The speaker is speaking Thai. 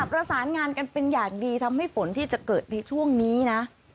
ประสานงานกันเป็นอย่างดีทำให้ฝนที่จะเกิดในช่วงนี้นะ